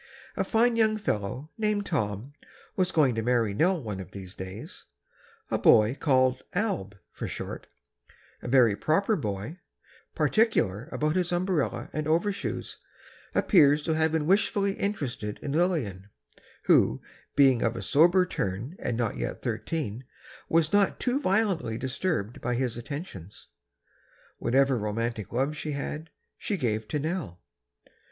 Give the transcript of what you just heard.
A fine young fellow, named Tom, was going to marry Nell one of these days; a boy called "Alb," for short—a very proper boy, particular about his umbrella and overshoes—appears to have been wishfully interested in Lillian, who, being of a sober turn and not yet thirteen, was not too violently disturbed by his attentions. Whatever romantic love she had, she gave to Nell.